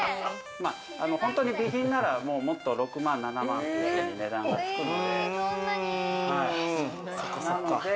本当に美品ならもっと６万、７万、値段がつくので。